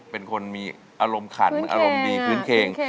เป็นคนมีอารมณ์ขันอารมณ์ดีคืนเคง